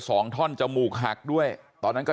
บอกแล้วบอกแล้วบอกแล้ว